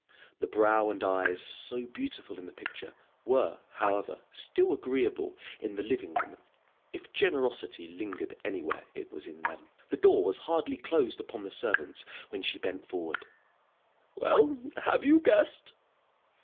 The brow and eyes, so beautiful in the picture, were, however, still agreeable in the living woman; if generosity lingered anywhere, it was in them. The door was hardly closed upon the servants when she bent forward. "Well, have you guessed?"